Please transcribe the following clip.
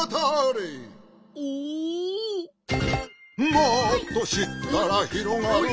「もっとしったらひろがるよ」